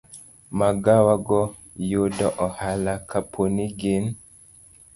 Magawa go yudo ohala kaponi gin